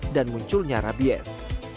dan munculnya rabies